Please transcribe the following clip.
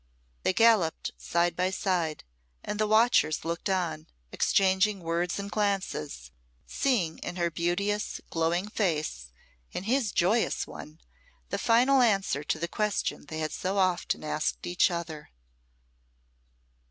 They galloped side by side, and the watchers looked on, exchanging words and glances, seeing in her beauteous, glowing face, in his joyous one, the final answer to the question they had so often asked each other.